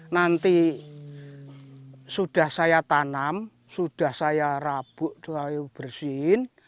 nanti sudah saya tanam sudah saya rabuk sudah saya bersihin